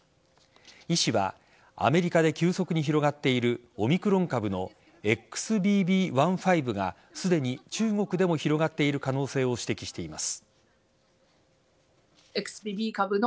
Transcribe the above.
医師はアメリカで急速に広がっているオミクロン株のＸＢＢ．１．５がすでに中国でも広がっている可能性を指摘しています。